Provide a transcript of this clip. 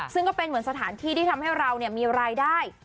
ซึ่งก็เป็นเหมือนสถานที่ที่ทำให้เรามีรายได้